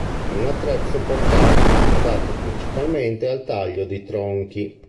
È un attrezzo portatile, adatto principalmente al taglio di tronchi.